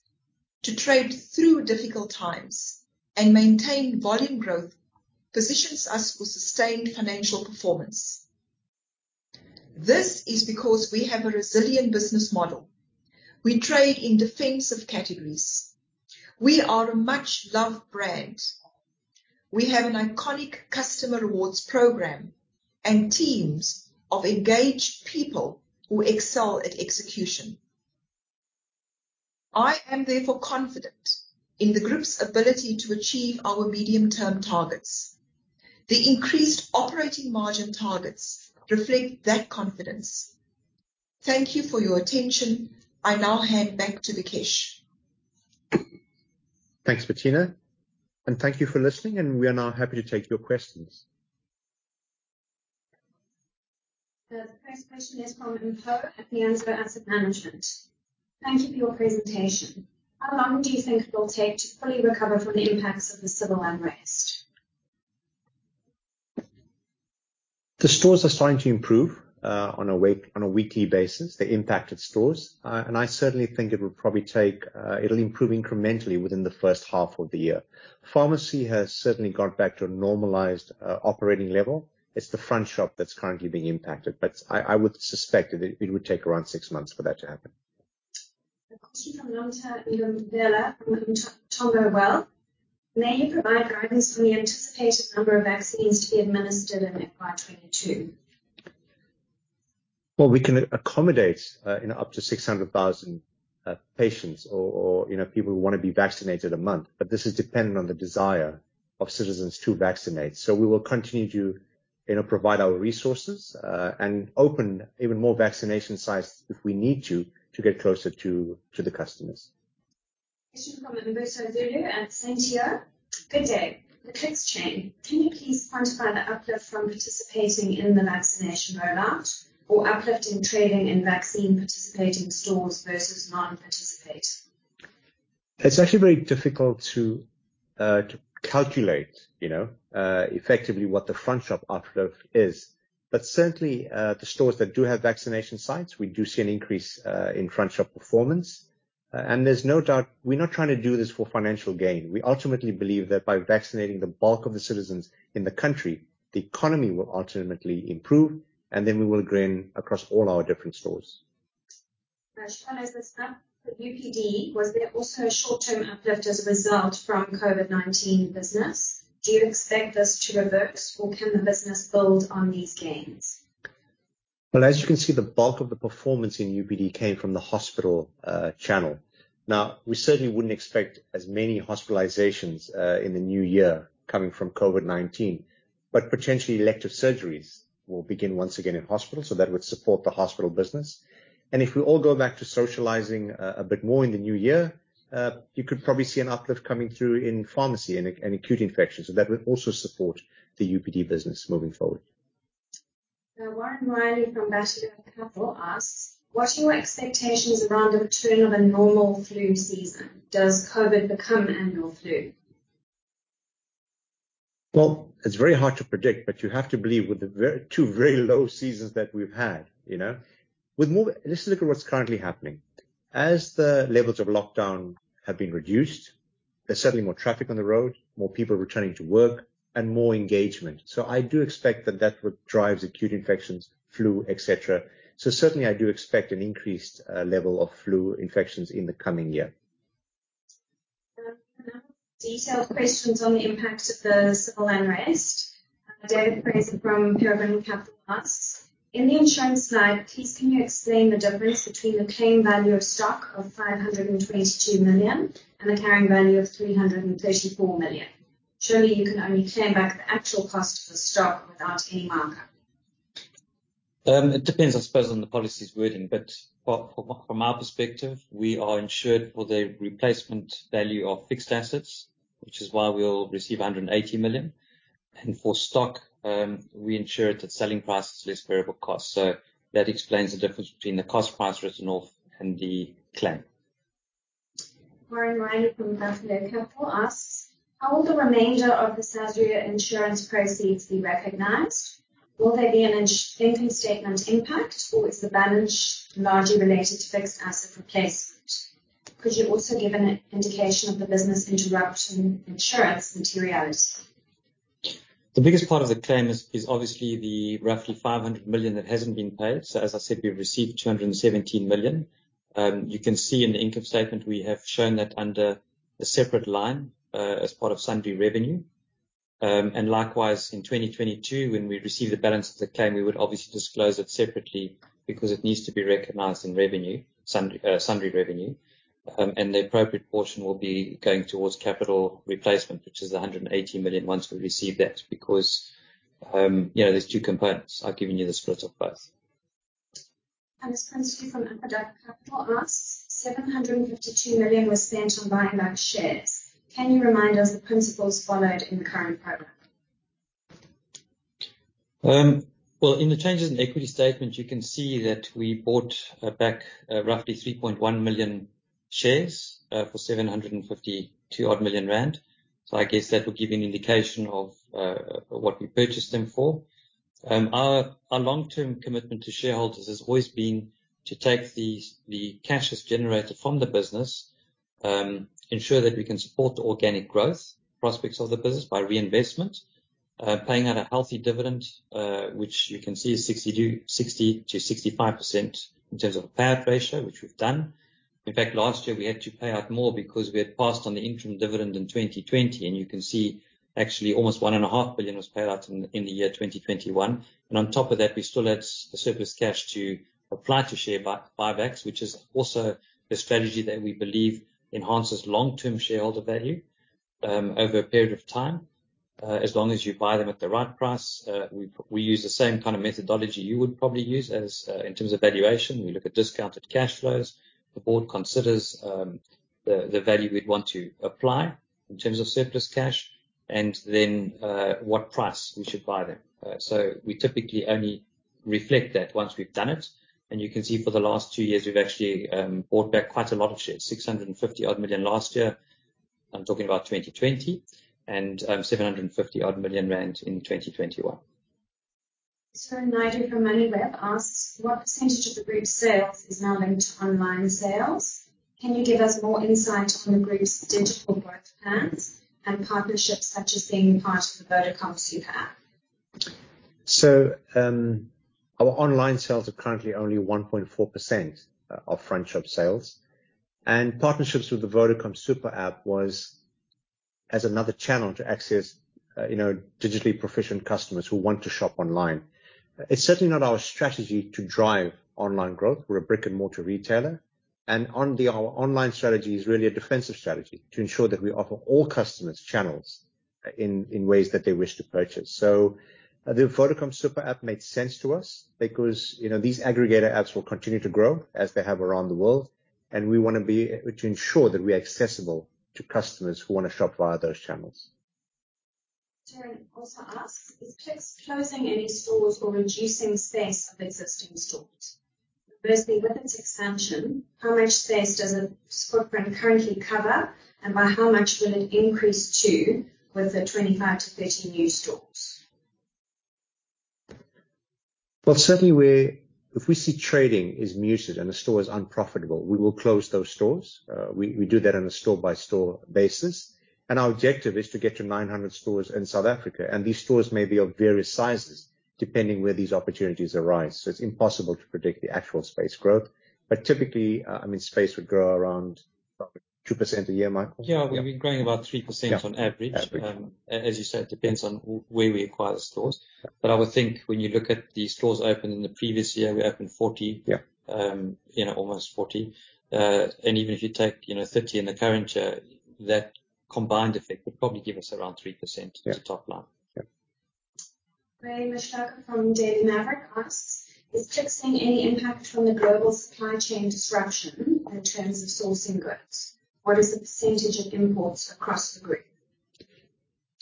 to trade through difficult times, and maintain volume growth, positions us for sustained financial performance. This is because we have a resilient business model. We trade in defensive categories. We are a much-loved brand. We have an iconic customer rewards program and teams of engaged people who excel at execution. I am therefore confident in the group's ability to achieve our medium-term targets. The increased operating margin targets reflect that confidence. Thank you for your attention. I now hand back to Vikesh. Thanks, Bertina, thank you for listening, and we are now happy to take your questions. The first question is from Mpho at Mianzo Asset Management. Thank you for your presentation. How long do you think it will take to fully recover from the impacts of the civil unrest? The stores are starting to improve on a weekly basis, the impacted stores. I certainly think it'll improve incrementally within the first half of the year. Pharmacy has certainly gone back to a normalized operating level. It's the front shop that's currently being impacted. I would suspect that it would take around six months for that to happen. A question from Nomsa Ndumbele from Intongo Wealth. May you provide guidance on the anticipated number of vaccines to be administered in FY 2022? We can accommodate up to 600,000 patients or people who want to be vaccinated a month. This is dependent on the desire of citizens to vaccinate. We will continue to provide our resources, and open even more vaccination sites if we need to get closer to the customers. Question from Mbuso Zulu at Sentio. Good day. The Clicks chain, can you please quantify the uplift from participating in the vaccination rollout or uplift in trading in vaccine participating stores versus non-participating? It's actually very difficult to calculate effectively what the front shop uplift is. Certainly, the stores that do have vaccination sites, we do see an increase in front shop performance. There's no doubt, we're not trying to do this for financial gain. We ultimately believe that by vaccinating the bulk of the citizens in the country, the economy will ultimately improve, and then we will gain across all our different stores. To follow this up, for UPD, was there also a short-term uplift as a result from COVID-19 business? Do you expect this to reverse, or can the business build on these gains? As you can see, the bulk of the performance in UPD came from the hospital channel. We certainly wouldn't expect as many hospitalizations in the new year coming from COVID-19, but potentially elective surgeries will begin once again in hospitals, so that would support the hospital business. If we all go back to socializing a bit more in the new year, you could probably see an uplift coming through in pharmacy and acute infections, so that would also support the UPD business moving forward. Warren Riley from Bateleur Capital asks, what are your expectations around the return of a normal flu season? Does COVID become annual flu? It's very hard to predict, but you have to believe with the two very low seasons that we've had. Let's look at what's currently happening. As the levels of lockdown have been reduced, there's certainly more traffic on the road, more people returning to work, and more engagement. I do expect that that would drive acute infections, flu, et cetera. Certainly, I do expect an increased level of flu infections in the coming year. Now, detailed questions on the impact of the civil unrest. David Fraser from Peregrine Capital asks, "In the insurance slide, please can you explain the difference between the claim value of stock of 522 million and the carrying value of 334 million? Surely, you can only claim back the actual cost of the stock without any markup. It depends, I suppose, on the policy's wording, but from our perspective, we are insured for the replacement value of fixed assets, which is why we'll receive 180 million. For stock, we insure it at selling prices less variable costs. That explains the difference between the cost price written off and the claim. Warren Riley from Bateleur Capital asks, "How will the remainder of the Sasria insurance proceeds be recognized? Will there be an income statement impact, or is the balance largely related to fixed asset replacement? Could you also give an indication of the business interruption insurance material? The biggest part of the claim is obviously the roughly 500 million that hasn't been paid. As I said, we've received 217 million. You can see in the income statement, we have shown that under a separate line, as part of sundry revenue. Likewise, in 2022, when we receive the balance of the claim, we would obviously disclose it separately because it needs to be recognized in revenue, sundry revenue. The appropriate portion will be going towards capital replacement, which is the 180 million, once we receive that because there's two components. I've given you the split of both. Francisco from Ampada Capital asks, "752 million was spent on buying back shares. Can you remind us the principles followed in the current program? Well, in the changes in equity statement, you can see that we bought back roughly 3.1 million shares for 752 odd million. I guess that will give you an indication of what we purchased them for. Our long-term commitment to shareholders has always been to take the cash that's generated from the business, ensure that we can support the organic growth prospects of the business by reinvestment, paying out a healthy dividend, which you can see is 60%-65% in terms of a payout ratio, which we've done. In fact, last year, we had to pay out more because we had passed on the interim dividend in 2020, and you can see actually almost one and a half billion was paid out in the year 2021. On top of that, we still had the surplus cash to apply to share buybacks, which is also a strategy that we believe enhances long-term shareholder value, over a period of time, as long as you buy them at the right price. We use the same kind of methodology you would probably use as in terms of valuation. We look at discounted cash flows. The board considers the value we'd want to apply in terms of surplus cash and then, what price we should buy them. We typically only reflect that once we've done it. You can see for the last two years, we've actually bought back quite a lot of shares, 650 million last year. I'm talking about 2020. 750 million rand in 2021. Nigel from Moneyweb asks, "What percentage of the group's sales is now linked to online sales? Can you give us more insight on the group's digital growth plans and partnerships such as being part of the Vodacom super app? Our online sales are currently only 1.4% of front shop sales, and partnerships with the Vodacom super app was as another channel to access digitally proficient customers who want to shop online. It's certainly not our strategy to drive online growth. We're a brick-and-mortar retailer, and our online strategy is really a defensive strategy to ensure that we offer all customers channels in ways that they wish to purchase. The Vodacom super app made sense to us because these aggregator apps will continue to grow as they have around the world, and we want to ensure that we are accessible to customers who want to shop via those channels. Darren also asks, "Is Clicks closing any stores or reducing space of existing stores? Firstly, with its expansion, how much space does a footprint currently cover, and by how much would it increase to with the 25-30 new stores? Certainly, if we see trading is muted and a store is unprofitable, we will close those stores. We do that on a store-by-store basis, and our objective is to get to 900 stores in South Africa, and these stores may be of various sizes depending where these opportunities arise. It's impossible to predict the actual space growth. Typically, space would grow around probably 2% a year, Michael? Yeah. We've been growing about 3% on average. Yeah, average. As you said, it depends on where we acquire the stores. I would think when you look at the stores opened in the previous year, we opened 40. Yeah. Almost 40. Even if you take 30 in the current year, that combined effect would probably give us around 3% as a top line. Yep. Ray Mahlaka from Daily Maverick asks, "Is Clicks seeing any impact from the global supply chain disruption in terms of sourcing goods? What is the percentage of imports across the group?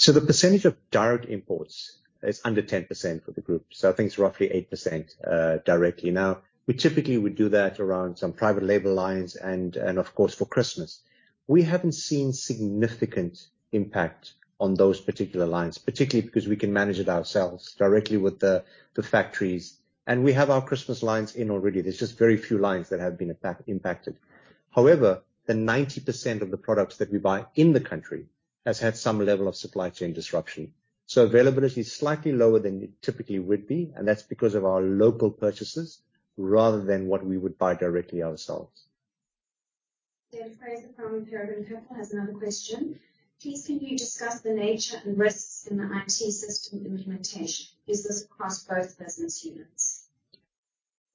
The percentage of direct imports is under 10% for the group. I think it's roughly 8% directly. Now, we typically would do that around some private label lines and of course, for Christmas. We haven't seen significant impact on those particular lines, particularly because we can manage it ourselves directly with the factories. We have our Christmas lines in already. There's just very few lines that have been impacted. However, the 90% of the products that we buy in the country has had some level of supply chain disruption. Availability is slightly lower than it typically would be, and that's because of our local purchases rather than what we would buy directly ourselves. David Fraser from Peregrine Capital has another question. "Please can you discuss the nature and risks in the IT system implementation? Is this across both business units?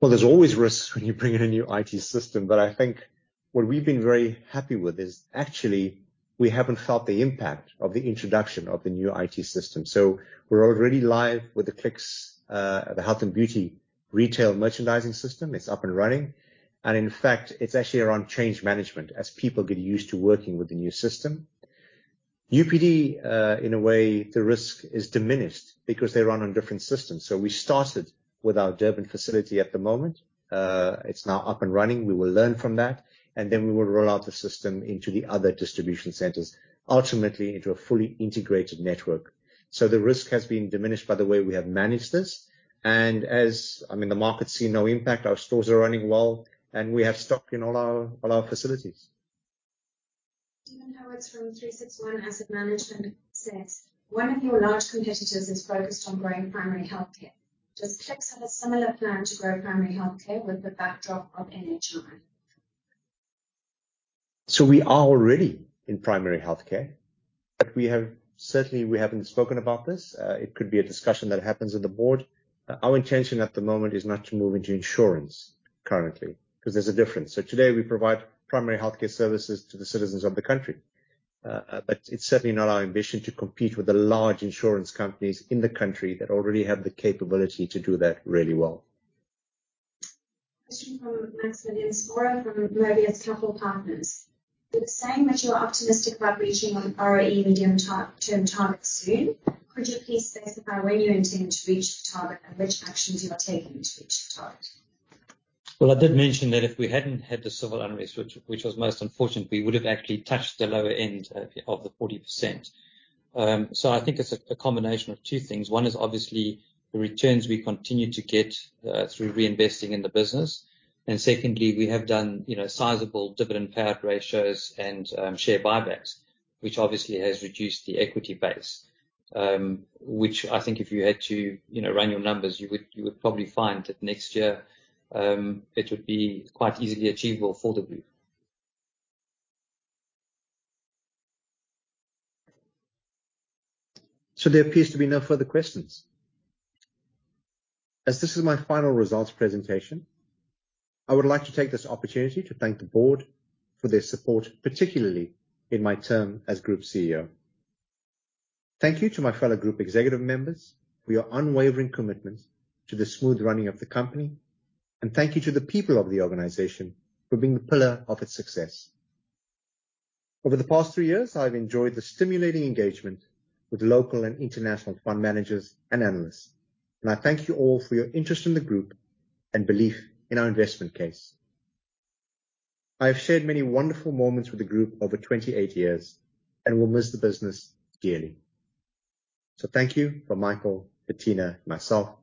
There's always risks when you bring in a new IT system. I think what we've been very happy with is actually we haven't felt the impact of the introduction of the new IT system. We're already live with the Clicks, the health and beauty retail merchandising system. It's up and running. In fact, it's actually around change management as people get used to working with the new system. UPD, in a way, the risk is diminished because they run on different systems. We started with our Durban facility at the moment. It's now up and running. We will learn from that, then we will roll out the system into the other distribution centers, ultimately into a fully integrated network. The risk has been diminished by the way we have managed this. The market's seen no impact. Our stores are running well, and we have stock in all our facilities. Steven Howard from 36ONE Asset Management says, "One of your large competitors is focused on growing primary healthcare. Does Clicks have a similar plan to grow primary healthcare with the backdrop of NHI? We are already in primary healthcare, but certainly, we haven't spoken about this. It could be a discussion that happens at the board. Our intention at the moment is not to move into insurance currently because there's a difference. Today, we provide primary healthcare services to the citizens of the country. It's certainly not our ambition to compete with the large insurance companies in the country that already have the capability to do that really well. Question from Maximilian Sporer from Mobius Capital Partners. With saying that you are optimistic about reaching an ROE medium-term target soon, could you please specify when you intend to reach the target and which actions you are taking to reach the target? Well, I did mention that if we hadn't had the civil unrest, which was most unfortunate, we would have actually touched the lower end of the 40%. I think it's a combination of two things. One is obviously the returns we continue to get through reinvesting in the business. Secondly, we have done sizable dividend payout ratios and share buybacks, which obviously has reduced the equity base, which I think if you had to run your numbers, you would probably find that next year it would be quite easily achievable for the group. There appears to be no further questions. As this is my final results presentation, I would like to take this opportunity to thank the board for their support, particularly in my term as group CEO. Thank you to my fellow group executive members for your unwavering commitment to the smooth running of the company, and thank you to the people of the organization for being the pillar of its success. Over the past three years, I've enjoyed the stimulating engagement with local and international fund managers and analysts, and I thank you all for your interest in the group and belief in our investment case. I have shared many wonderful moments with the group over 28 years and will miss the business dearly. Thank you from Michael, Bertina, myself. Goodbye.